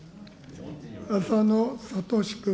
浅野哲君。